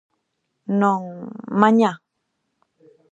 -Non... mañá!